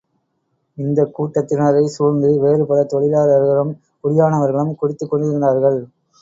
இந்தக் கூட்டத்தினரைச் சூழ்ந்து வேறு பல தொழிலாளர்களும் குடியானவர்களும் குடித்துக் கொண்டிருந்தார்கள்.